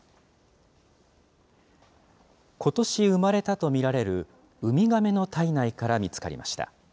ことし産まれたと見られるウミガメの体内から見つかりました。